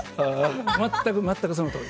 全くそのとおり。